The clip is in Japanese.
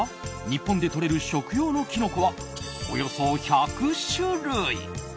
日本でとれる食用のキノコはおよそ１００種類。